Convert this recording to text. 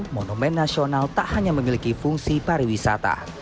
monumen nasional tak hanya memiliki fungsi pariwisata